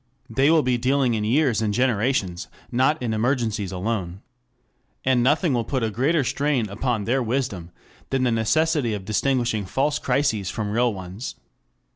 They will be dealing in years and generations, not in emergencies alone. And nothing will put a greater strain upon their wisdom than the necessity of distinguishing false crises from real ones.